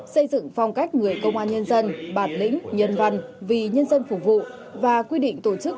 xây dựng phong cách người công an nhân dân bản lĩnh nhân văn vì nhân dân phục vụ và quy định tổ chức